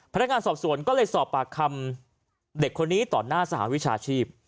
พนักงานสอบสวนก็เลยสอบปากคำเด็กคนนี้ต่อหน้าสหวิชาชีพ